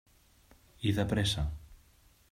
I de pressa.